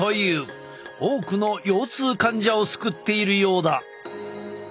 多くの腰痛患者を救っているようだ。